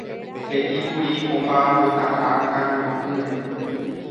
He'íkuri omba'apótaha kane'õ'ỹre.